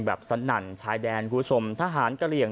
แบบสันแชร์แดนคุณผู้ชมทหารกระเหลี่ยง